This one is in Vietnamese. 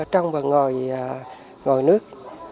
trong và ngoài nước